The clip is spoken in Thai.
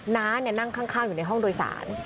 น้านั่งข้างอยู่ในห้องโดยสาร